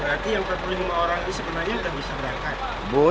berarti yang empat puluh lima orang itu sebenarnya tidak bisa berangkat